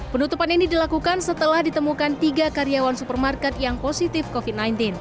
penutupan ini dilakukan setelah ditemukan tiga karyawan supermarket yang positif covid sembilan belas